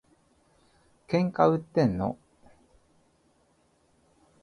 喧嘩売ってんの？